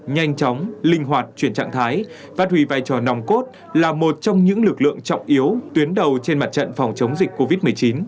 nhanh chóng linh hoạt chuyển trạng thái phát huy vai trò nòng cốt là một trong những lực lượng trọng yếu tuyến đầu trên mặt trận phòng chống dịch covid một mươi chín